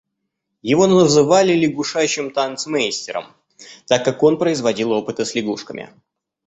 Его называли лягушачьим танцмейстером, так как он производил опыты с лягушками.